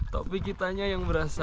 tapi kitanya yang berasa